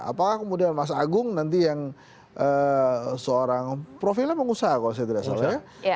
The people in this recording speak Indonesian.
apakah kemudian mas agung nanti yang seorang profilnya pengusaha kalau saya tidak salah ya